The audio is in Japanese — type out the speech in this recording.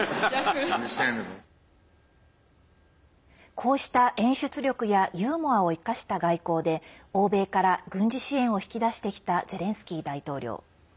こうした演出力やユーモアを生かした外交で欧米から軍事支援を引き出してきたゼレンスキー大統領。